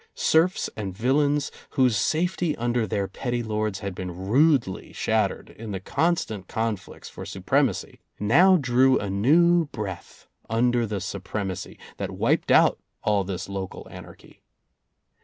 Serfs and vil lains, whose safety under their petty lords had been rudely shattered in the constant conflicts for supremacy, now drew a new breath under the supremacy, that wiped out all this local anarchy.